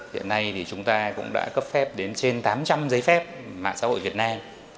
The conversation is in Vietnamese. hiện nay thì chúng ta cũng đã cấp phép đến trên tám trăm linh giấy phép mạng xã hội việt nam